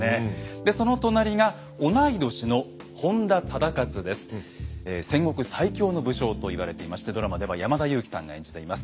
でその隣が同い年の「戦国最強の武将」と言われていましてドラマでは山田裕貴さんが演じています。